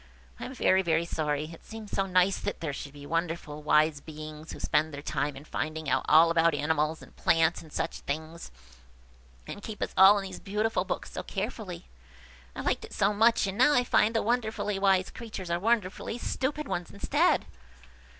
I am very, very sorry! It seemed so nice that there should be wonderful, wise beings, who spend their time in finding out all about animals, and plants, and such things, and keep us all in these beautiful books so carefully. I liked it so much and now I find the wonderfully wise creatures are wonderfully stupid ones instead."